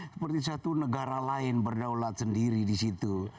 seperti satu negara lain berdaulat sendiri di situ